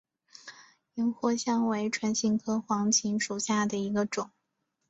岩藿香为唇形科黄芩属下的一个种。